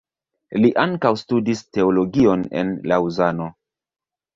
Li ankaŭ studis teologion en Laŭzano.